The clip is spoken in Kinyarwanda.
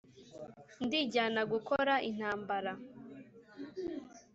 ndijyana gukora intambara